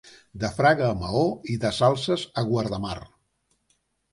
De Fraga a Maó i de Salses a Guardamar.